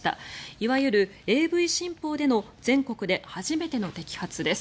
いわゆるＡＶ新法での全国で初めての摘発です。